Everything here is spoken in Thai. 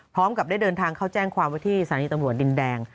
พร้อมกับได้เดินทางเข้าแจ้งความว่าที่สถานีตำรวจดินแดง